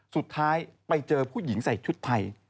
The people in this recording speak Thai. สุดท้ายไปเจอผู้หญิงใส่ชุดไทย